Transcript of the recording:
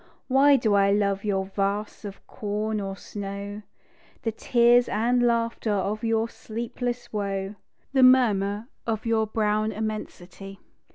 Why do I love your vasts of corn or snow, The tears and laughter of your sleepless woe, The murmur of your brown immensity?